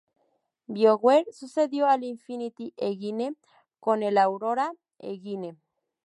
BioWare sucedió al Infinity Engine con el Aurora Engine.